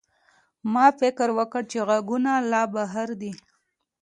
ما فکر وکړ چې غږونه له بهر دي.